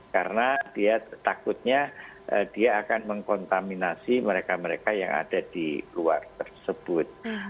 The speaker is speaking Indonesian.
karena dia takutnya dia akan mengkontaminasi mereka mereka yang ada di luar tersebut